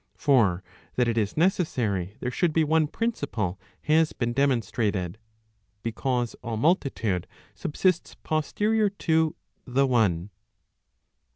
For that it is necessary there should be one principle has been demonstrated; * because all multitude subsists posterior to the one.